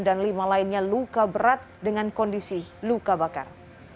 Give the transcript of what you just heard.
dan lima lainnya luka berat dengan kondisi luka bakar